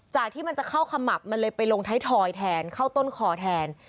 ที่มันจะเข้าขมับมันเลยไปลงท้ายทอยแทนเข้าต้นคอแทน